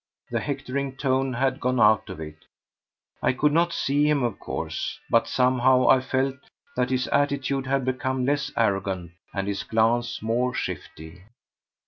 The hectoring tone had gone out of it. I could not see him, of course, but somehow I felt that his attitude had become less arrogant and his glance more shifty.